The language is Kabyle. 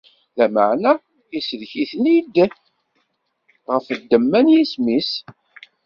Lameɛna, isellek-iten-id ɣef ddemma n yisem-is.